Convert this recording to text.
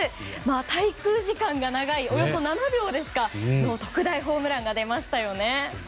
滞空時間が長い、およそ７秒の特大ホームランが出ましたよね。